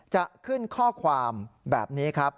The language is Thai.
จะขึ้นข้อความแบบนี้ครับ